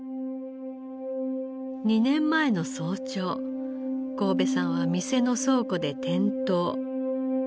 ２年前の早朝神戸さんは店の倉庫で転倒。